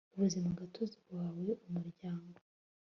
ubuzimagatozi buhawe umuryango